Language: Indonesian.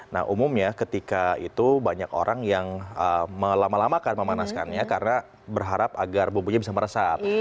nah umumnya ketika itu banyak orang yang melama lamakan memanaskannya karena berharap agar bumbunya bisa meresap